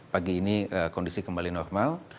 pagi ini kondisi kembali normal